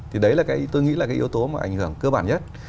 thì đấy là cái tôi nghĩ là cái yếu tố mà ảnh hưởng cơ bản nhất